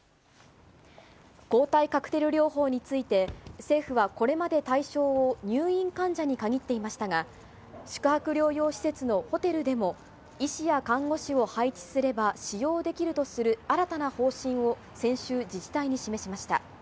抗体カクテル療法について、政府はこれまで対象を入院患者に限っていましたが、宿泊療養施設のホテルでも医師や看護師を配置すれば、使用できるとする新たな方針を先週、自治体に示しました。